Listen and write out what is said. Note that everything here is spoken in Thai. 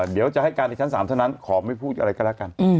เดี๋ยวจะให้การในชั้น๓เท่านั้นขอไม่พูดอะไรก็แล้วกัน